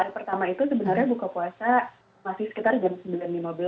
pertama itu sebenarnya buka puasa masih sekitar jam sembilan lima belas